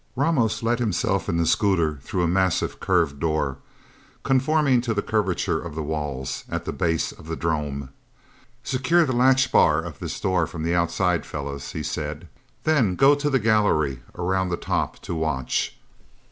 Ramos let himself and the scooter through a massive, curved door conforming to the curvature of the walls at the base of the 'drome. "Secure the latch bar of this door from the outside, fellas," he said. "Then go to the gallery around the top to watch."